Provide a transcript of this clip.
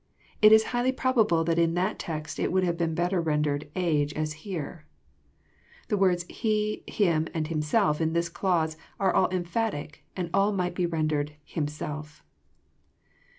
It is highly probable that in that text it would have been better rendered age," as here. The words " he," " him," and " himself," in this clause, are all emphatic, and all might be rendered himself."